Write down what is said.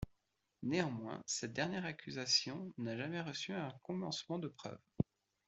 Néanmoins, cette dernière accusation n'a jamais reçu un commencement de preuve.